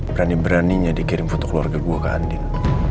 berani beraninya dikirim foto keluarga gue ke andin